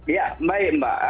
ya baik mbak